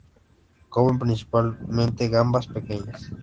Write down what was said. Come principalmente gambas pequeñas.